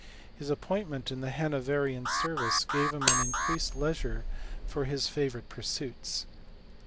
His appointment in the Hanoverian service gave him increased leisure for his favourite pursuits.